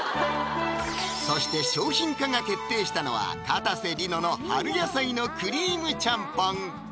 そして商品化が決定したのはかたせ梨乃の春野菜のクリームちゃんぽん